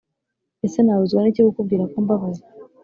ese nabuzwa niki kukubwira ko mbabaye